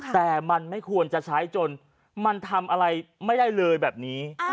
แต่มันไม่ควรจะใช้จนมันทำอะไรไม่ได้เลยแบบนี้